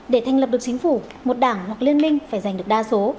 để thành lập được chính phủ một đảng hoặc liên minh phải giành được đa số